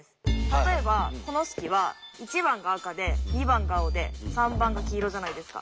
例えばこの式は１番が赤で２番が青で３番が黄色じゃないですか。